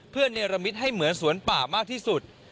เพื่อเนรมิตให้เหมือนสวนป่ามากที่สุด